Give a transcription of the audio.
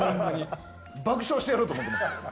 爆笑してやろうと思って。